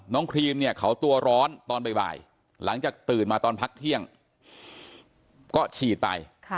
ครีมเนี่ยเขาตัวร้อนตอนบ่ายหลังจากตื่นมาตอนพักเที่ยงก็ฉีดไป